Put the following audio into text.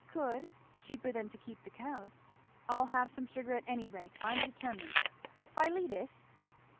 "Could! cheaper than to keep the cows. I'll have some sugar at any rate, I'm determined. Philetus!"